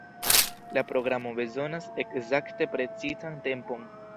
La programo bezonas ekzakte precizan tempon.